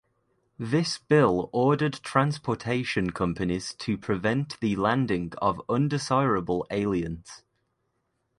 This bill ordered transportation companies to prevent the landing of "undesirable aliens".